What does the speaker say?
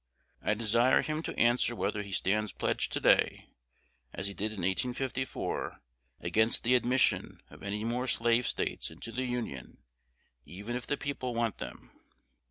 "I desire him to answer whether he stands pledged to day, as he did in 1854, against the admission of any more Slave States into the Union, even if the people want them."